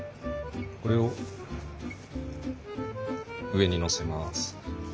これを上にのせます。